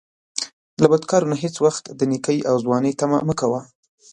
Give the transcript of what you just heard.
له بدکارو نه هیڅ وخت د نیکۍ او ځوانۍ طمعه مه کوه